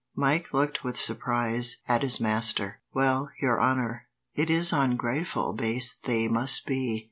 Mike looked with surprise at his master. "Well, your honour, it is ungrateful bastes they must be.